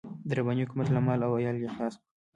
د رباني حکومت له مال او عيال يې خلاص کړو.